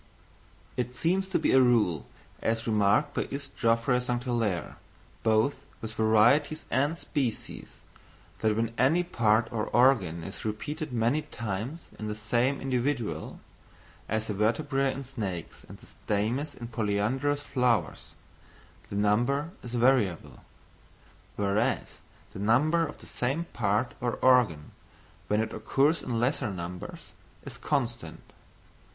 _ It seems to be a rule, as remarked by Is. Geoffroy St. Hilaire, both with varieties and species, that when any part or organ is repeated many times in the same individual (as the vertebræ in snakes, and the stamens in polyandrous flowers) the number is variable; whereas the number of the same part or organ, when it occurs in lesser numbers, is constant.